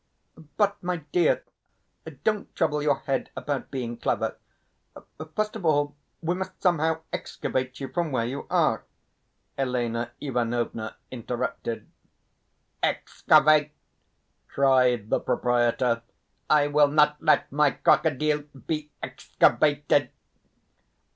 "But, my dear, don't trouble your head about being clever; first of all we must somehow excavate you from where you are," Elena Ivanovna interrupted. "Excavate!" cried the proprietor. "I will not let my crocodile be excavated.